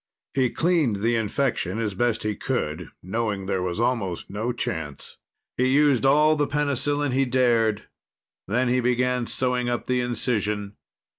He cleaned the infection as best he could, knowing there was almost no chance. He used all the penicillin he dared. Then he began sewing up the incision.